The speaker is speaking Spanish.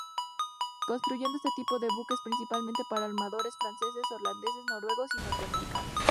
Construyendo este tipo de buques principalmente para armadores franceses, holandeses, noruegos y norteamericanos.